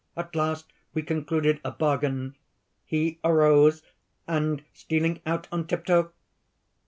At last we concluded a bargain. He arose, and stealing out on tiptoe...."